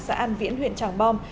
xã an viễn huyện tràng bom